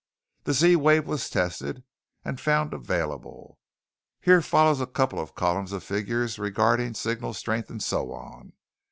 The Z wave was tested and found available ...' here follows a couple of columns of figures regarding signal strength and so on.